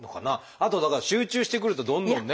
あとだから集中してくるとどんどんね。